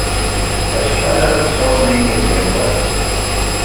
Acḥal ara tesɛuḍ inebgawen?